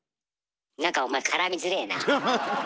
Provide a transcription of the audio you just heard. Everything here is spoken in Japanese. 何かお前絡みづれえなあ。